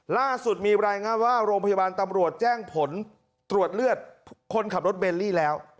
ล่าสุดมีรายงานว่าโรงพยาบาลตำรวจแจ้งผลตรวจเลือดคนขับรถเบลลี่แล้ว